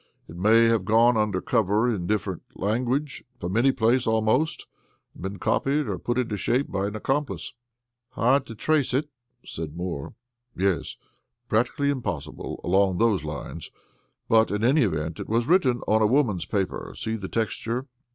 It may have gone under cover in different language from any place almost and been copied or put into shape by an accomplice." "Hard to trace it," said Moore. "Yes, practically impossible, along those lines. But in any event it was written on a woman's paper; see the texture."